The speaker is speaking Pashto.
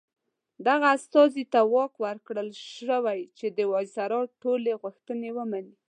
دغه استازي ته واک ورکړل شوی چې د وایسرا ټولې غوښتنې ومني.